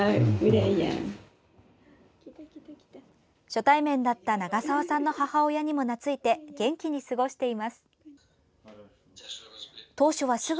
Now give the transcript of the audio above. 初対面だった長澤さんの母親にもなついて元気に過ごしています。